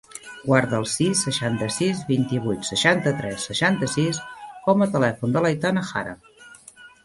Guarda el sis, seixanta-sis, vint-i-vuit, seixanta-tres, seixanta-sis com a telèfon de l'Aitana Jara.